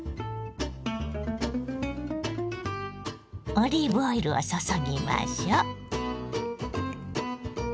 オリーブオイルを注ぎましょう。